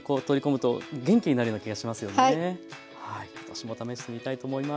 私も試してみたいと思います。